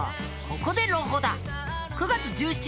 ここで朗報だ。